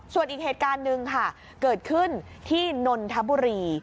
ส่วนอีกเหตุการณ์หนึ่งค่ะเกิดขึ้นที่นนทบุรี